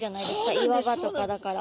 岩場とかだから。